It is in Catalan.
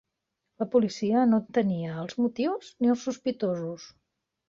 La policia no en tenia els motius ni sospitosos.